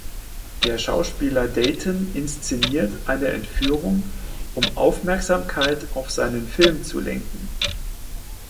Der Schauspieler Dayton inszeniert eine Entführung um Aufmerksamkeit auf seinen Film zu lenken.